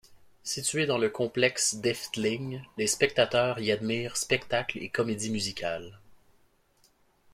Situé dans le complexe d'Efteling, les spectateurs y admirent spectacles et comédies musicales.